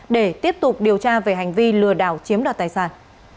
để tiếp tục điều tra về hành vi lừa đảo chiếm đoạt tài sản